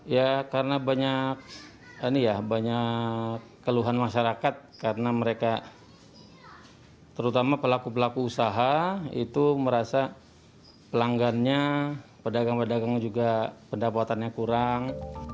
ya karena banyak keluhan masyarakat karena mereka terutama pelaku pelaku usaha itu merasa pelanggannya pedagang pedagang juga pendapatannya kurang